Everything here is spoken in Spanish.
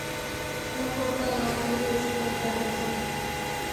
La costa norte es pantanosa.